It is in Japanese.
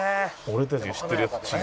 「俺たちが知ってるやつと違う」